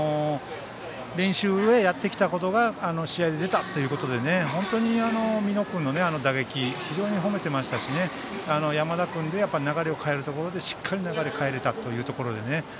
練習でやってきたことが試合で出たということで本当に美濃君の打撃を非常に褒めていましたし山田君で流れを変えるところでしっかり流れを変えられたというところでね。